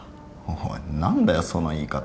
おい何だよその言い方。